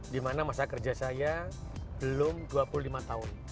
dimana masa kerja saya belum dua puluh lima tahun